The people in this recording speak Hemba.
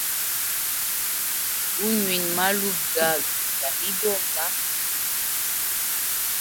Gunywine maluvu gaga ga migomba.